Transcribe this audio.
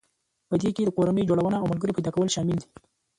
په دې کې د کورنۍ جوړونه او ملګري پيدا کول شامل دي.